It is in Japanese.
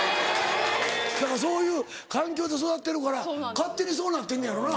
だからそういう環境で育ってるから勝手にそうなってんのやろな。